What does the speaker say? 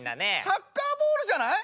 サッカーボールじゃない？